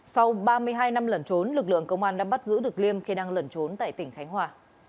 sau ba mươi hai năm lẩn trốn lực lượng công an đã bắt giữ được liêm khi đang lẩn trốn tại tỉnh khánh hòa